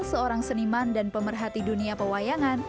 seorang seniman dan pemerhati dunia pewayangan